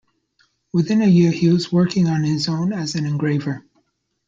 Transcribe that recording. Within a year he was working on his own as an engraver.